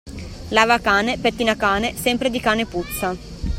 Lava cane, pettina cane, sempre di cane puzza.